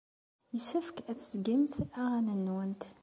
Yessefk ad tettgemt aɣanen-nwent.